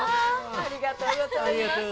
ありがとうございます。